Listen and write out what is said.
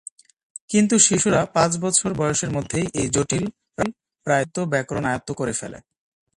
কিন্তু শিশুরা পাঁচ বছর বয়সের মধ্যেই এই জটিল, প্রায়-দুর্বোধ্য ব্যাকরণ আয়ত্ত করে ফেলে।